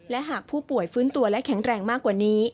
และหากผู้ป่วยฟื้นตัวและแข็งแรงมากกว่านี้